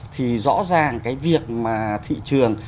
thì rõ ràng cái việc mà thị trường